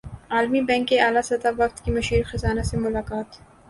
عالمی بینک کے اعلی سطحی وفد کی مشیر خزانہ سے ملاقات